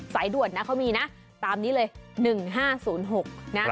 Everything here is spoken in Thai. ใส่ด่วนเขามีตามนี้เลย๑๕๐๖